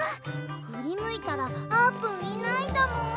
ふりむいたらあーぷんいないんだもん。